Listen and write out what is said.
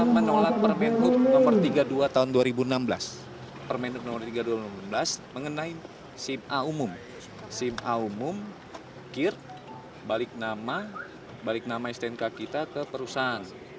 mengenai sim a umum sim a umum kir balik nama balik nama stnk kita ke perusahaan